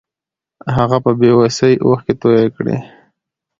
هغه په بې وسۍ اوښکې توې کړې.